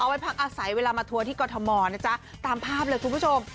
ไว้พักอาศัยเวลามาทัวร์ที่กรทมนะจ๊ะตามภาพเลยคุณผู้ชม